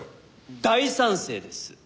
大賛成です。